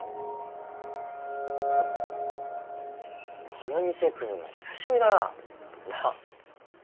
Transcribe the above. この店来るの久しぶりだななっ？